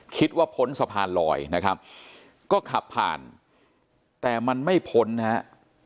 พ้นสะพานลอยนะครับก็ขับผ่านแต่มันไม่พ้นนะฮะ